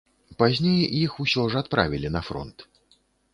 Пазней іх усё ж адправілі на фронт.